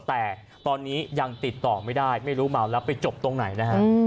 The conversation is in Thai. แต่ตอนนี้ยังติดต่อไม่ได้ไม่รู้เมาแล้วไปจบตรงไหนนะฮะ